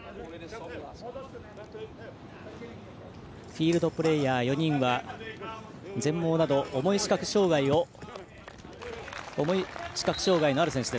フィールドプレーヤー４人は全盲など重い視覚障がいのある選手。